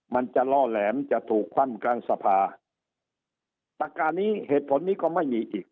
มันจะล่อแหลมจะถูกคว่ำกลางสภาตักการนี้เหตุผลนี้ก็ไม่มีอีก